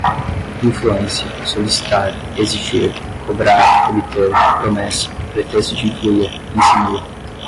influência, solicitar, exigir, cobrar, obter, promessa, pretexto de influir, insinua